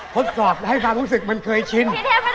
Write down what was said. พบสอบให้สร้างรู้สึกมันเคยชิน